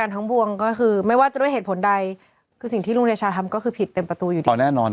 มันก็ลำบากนะ